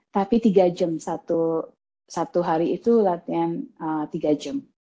tapi tiga jam satu hari itu latihan tiga jam